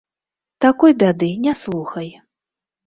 Такой бяды, не слухай.